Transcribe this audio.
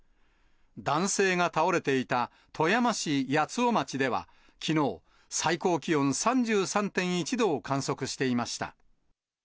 男性が倒れていた富山市八尾町では、きのう、最高気温３３．１度を観測していました。